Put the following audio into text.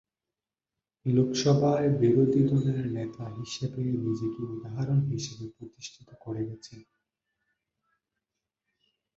লোকসভায় বিরোধী দলের নেতা হিসেবে নিজেকে উদাহরণ হিসাবে প্রতিষ্ঠিত করে গেছেন।